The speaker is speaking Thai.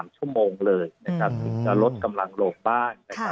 ๓ชั่วโมงเลยถึงจะลดกำลังลงบ้าง